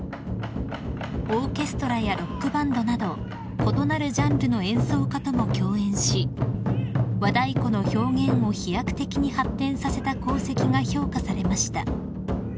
［オーケストラやロックバンドなど異なるジャンルの演奏家とも共演し和太鼓の表現を飛躍的に発展させた功績が評価されました］